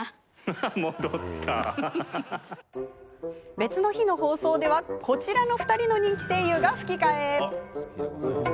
別の日の放送では、こちらの２人の人気声優が吹き替え。